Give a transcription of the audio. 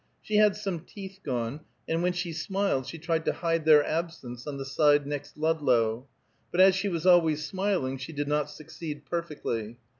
She had some teeth gone, and when she smiled she tried to hide their absence on the side next Ludlow; but as she was always smiling she did not succeed perfectly.